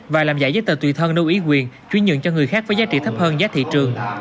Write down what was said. và làm giải giấy tờ tùy thân lưu ý quyền chuyên nhận cho người khác với giá trị thấp hơn giá thị trường